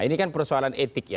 ini kan persoalan etik ya